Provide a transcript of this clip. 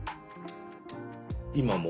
今も？